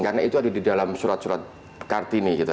karena itu ada di dalam surat surat kartini